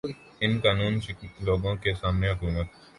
ان قانوں شکن لوگوں کے سامنے حکومت